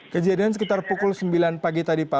kejadian sekitar pukul sembilan pagi tadi pak